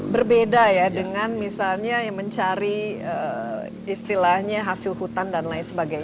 berbeda ya dengan misalnya mencari istilahnya hasil hutan dan lain sebagainya